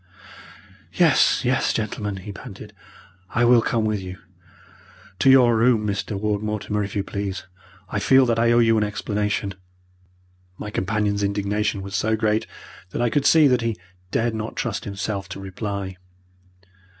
"Yes, yes, gentlemen," he panted, "I will come with you. To your room, Mr. Ward Mortimer, if you please! I feel that I owe you an explanation." My companion's indignation was so great that I could see that he dared not trust himself to reply.